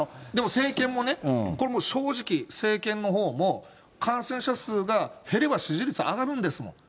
でも、政権もね、これもう正直、政権のほうも感染者数が減れば支持率上がるんです。